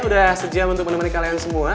udah sejam untuk menemani kalian semua